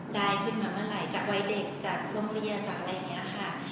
ได้ขึ้นมาเมื่อไหร่จากวัยเด็กจากโรงเรียนจากอะไรอย่างนี้ค่ะ